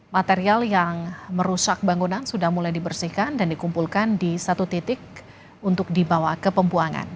material yang merusak bangunan sudah mulai dibersihkan dan dikumpulkan di satu titik untuk dibawa ke pembuangan